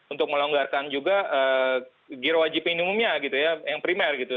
untuk melonggarkan juga giro wajib minimumnya gitu ya yang primer gitu